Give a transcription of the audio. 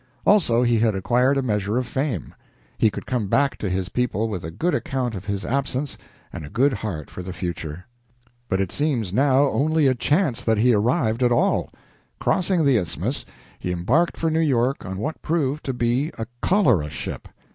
Also, he had acquired a measure of fame. He could come back to his people with a good account of his absence and a good heart for the future. But it seems now only a chance that he arrived at all. Crossing the Isthmus, he embarked for New York on what proved to be a cholera ship.